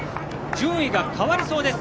順位が変わりそうです。